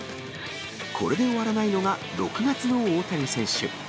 これで終わらないのが、６月の大谷選手。